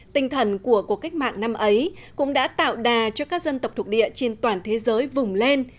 tinh thần của cuộc cách mạng năm ấy cũng đã tạo đà cho các dân tộc thuộc địa trên toàn thế giới vùng lên